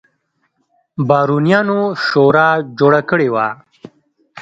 بارونیانو شورا جوړه کړې وه.